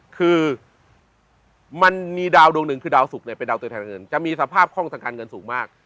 คือมันมีดาวดวงหนึ่งคือดาวสุกเนี่ยเป็นดาวตัวแทนเงินจะมีสภาพคล่องทางการเงินสูงมาก